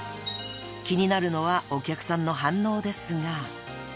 ［気になるのはお客さんの反応ですが］